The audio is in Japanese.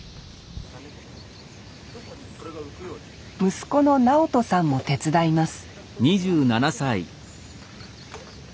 息子の直豊さんも手伝います